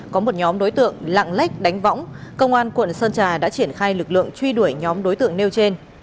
có một nhóm đối tượng lạng lách đánh võng công an quận sơn trà đã triển khai lực lượng truy đuổi nhóm đối tượng nêu trên